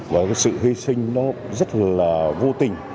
và cái sự hy sinh nó rất là vô tình